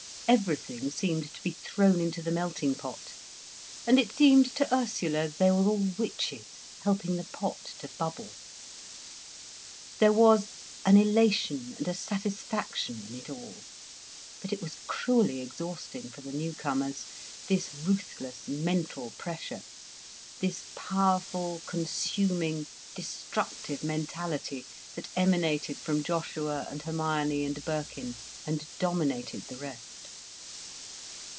Everything seemed to be thrown into the melting pot, and it seemed to Ursula they were all witches, helping the pot to bubble. There was an elation and a satisfaction in it all, but it was cruelly exhausting for the newcomers, this ruthless mental pressure, this powerful, consuming, destructive mentality that emanated from Joshua and Hermione and Birkin and dominated the rest.